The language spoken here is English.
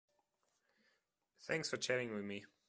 Thanks for chatting with me.